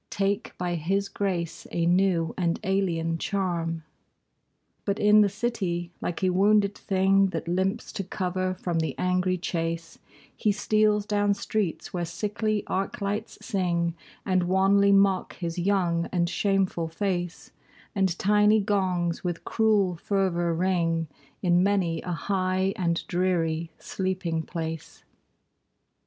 Take by his grace a new and alien charm. But in the city, like a wounded thing That limps to cover from the angry chase, He steals down streets where sickly arc lights sing, And wanly mock his young and shameful face; And tiny gongs with cruel fervor ring In many a high and dreary sleeping place.